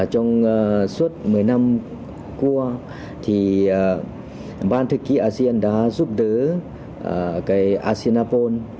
trong suốt một mươi năm qua ban thư ký asean đã giúp đỡ asean apol